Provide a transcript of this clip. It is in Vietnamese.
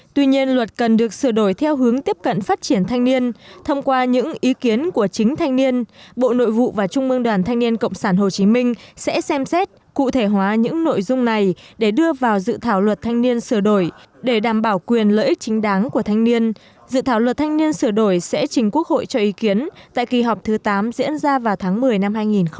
tuy nhiên luật cần được sửa đổi theo hướng tiếp cận phát triển thanh niên thông qua những ý kiến của chính thanh niên bộ nội vụ và trung mương đoàn thanh niên cộng sản hồ chí minh sẽ xem xét cụ thể hóa những nội dung này để đưa vào dự thảo luật thanh niên sửa đổi để đảm bảo quyền lợi ích chính đáng của thanh niên dự thảo luật thanh niên sửa đổi sẽ chính quốc hội cho ý kiến tại kỳ họp thứ tám diễn ra vào tháng một mươi năm hai nghìn một mươi chín